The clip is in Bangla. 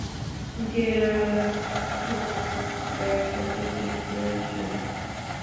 গেরারড উনার ব্যাগপত্র চেক করেছেন।